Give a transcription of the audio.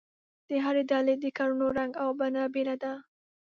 د هرې ډلې د کړنو رنګ او بڼه بېله ده.